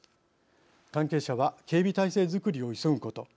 関係者は警備態勢づくりを急ぐこと。